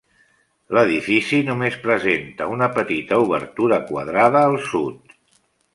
L'edifici només presenta una petita obertura quadrada al sud.